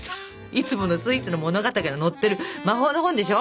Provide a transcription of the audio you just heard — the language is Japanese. いつものスイーツの物語が載ってる魔法の本でしょ？